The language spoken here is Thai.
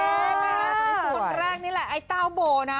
คนแรกนี่แหละไอ้เต้าโบนะ